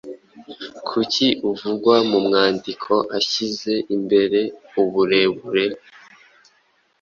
Kuki uvugwa mu mwandiko ashyize imbere uburere